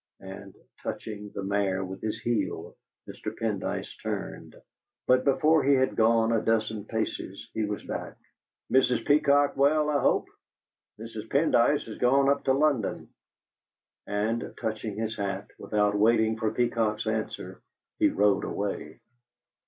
and, touching the mare with his heel, Mr. Pendyce turned; but before he had gone a dozen paces he was back. "Mrs. Peacock well, I hope? Mrs. Pendyce has gone up to London." And touching his hat, without waiting for Peacock's answer, he rode away.